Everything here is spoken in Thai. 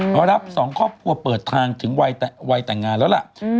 มารับสองครอบครัวเปิดทางถึงวัยแต่งงานแล้วล่ะ